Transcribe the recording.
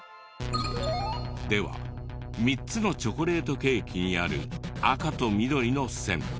では３つのチョコレートケーキにある赤と緑の線。